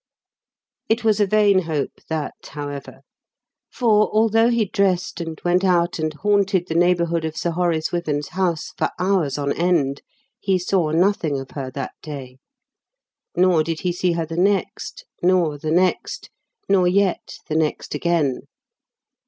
It was a vain hope that, however. For, although he dressed and went out and haunted the neighbourhood of Sir Horace Wyvern's house for hours on end, he saw nothing of her that day. Nor did he see her the next, nor the next, nor yet the next again.